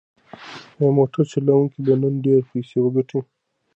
ایا موټر چلونکی به نن ډېرې پیسې وګټي؟